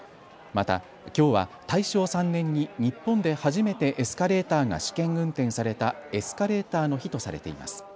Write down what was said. また、きょうは大正３年に日本で初めてエスカレーターが試験運転されたエスカレーターの日とされています。